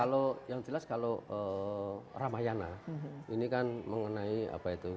kalau yang jelas kalau ramayana ini kan mengenai apa itu